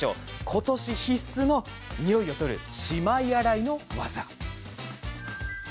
今年必須のニオイを取るしまい洗いの技。